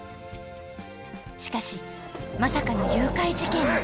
しかしまさかの誘拐事件に！